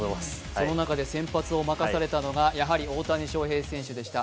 その中で先発を任されたのがやはり大谷翔平選手でした。